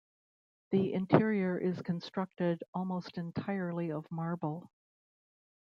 The interior is constructed almost entirely of marble.